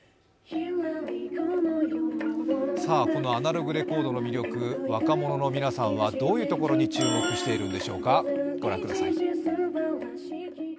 このアナログレコードの魅力、若者の皆さんはどういうところに注目しているんでしょうか？